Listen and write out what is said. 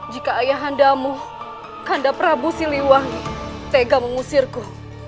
jika ayah anda mu kandap prabu siliwangi tega mengusirku